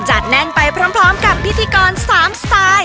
แน่นไปพร้อมกับพิธีกร๓สไตล์